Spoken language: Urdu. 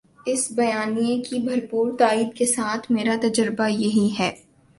اس بیانیے کی بھرپور تائید کے ساتھ میرا تجزیہ یہی ہے